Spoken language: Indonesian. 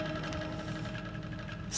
tidak ada yang bisa dikira